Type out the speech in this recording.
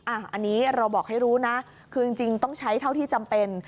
อันนี้เราบอกให้รู้นะคือจริงต้องใช้เท่าที่จำเป็น